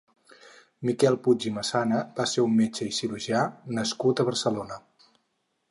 Miquel Puig i Massana va ser un metge i crurgià nascut a Barcelona.